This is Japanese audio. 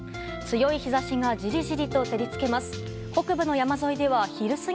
強い日差しがじりじりと照り付けます。